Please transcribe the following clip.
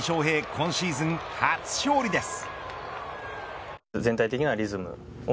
今シーズン初勝利です。